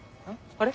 あれ？